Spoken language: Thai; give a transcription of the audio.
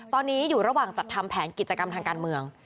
ตอนนี้อยู่ระหว่างจัดทำแผนกิจกรรมทางการเมือง